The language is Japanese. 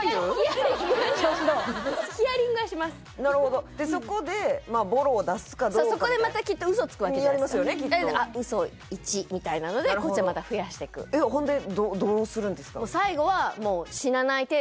ヒアリングはしますなるほどでそこでぼろを出すかどうかそうそこでまたきっと嘘つくわけじゃないですか「あっ嘘１」みたいなのでこっちでまた増やしていくほんでどうするんですか？